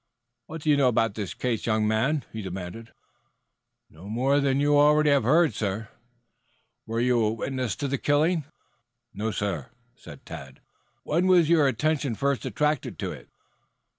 "What do you know about this case, young man?" he demanded. "No more than you already have heard, sir." "Were you a witness to the killing?" "No, sir." "When was your attention first attracted to it?"